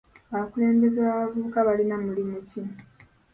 Abakulembeze b'abavuvuka balina muli ki?